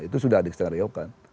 itu sudah di setelisikan